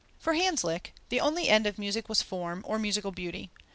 For Hanslick, the only end of music was form, or musical beauty.